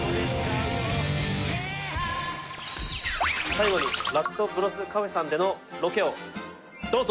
最後に ＲＡＤＢＲＯＳＣＡＦＥ さんでのロケをどうぞ！